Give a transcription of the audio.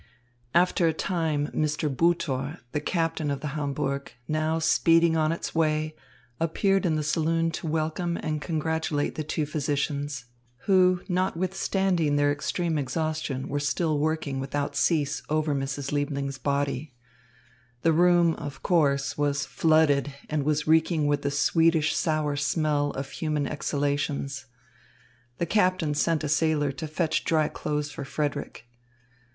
L After a time Mr. Butor, the captain of the Hamburg, now speeding on its way, appeared in the saloon to welcome and congratulate the two physicians, who, notwithstanding their extreme exhaustion, were still working without cease over Mrs. Liebling's body. The room, of course, was flooded and was reeking with the sweetish sour smell of human exhalations. The captain sent a sailor to fetch dry clothes for Frederick.